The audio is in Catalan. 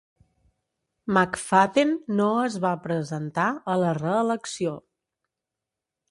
McFadden no es va presentar a la reelecció.